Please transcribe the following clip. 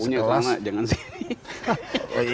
tuh jangan sih